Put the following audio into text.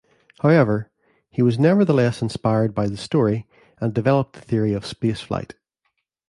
However, he was nevertheless inspired by the story and developed the theory of spaceflight.